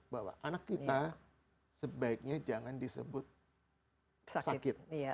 bahwa anak kita sebaiknya jangan disebut sakit